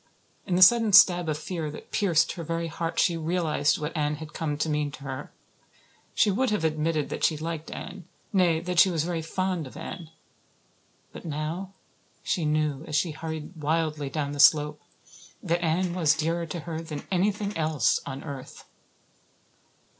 In the sudden stab of fear that pierced her very heart she realized what Anne had come to mean to her. She would have admitted that she liked Anne nay, that she was very fond of Anne. But now she knew as she hurried wildly down the slope that Anne was dearer to her than anything else on earth.